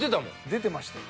出てましたよ。